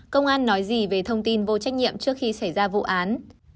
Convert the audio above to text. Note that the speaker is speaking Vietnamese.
công an nói gì về thông tin vô trách nhiệm trước khi xảy ra vụ án